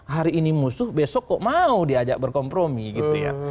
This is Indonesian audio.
hari ini musuh besok kok mau diajak berkompromi gitu ya